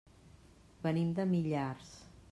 Venim de Millars.